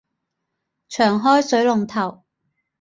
長開水龍頭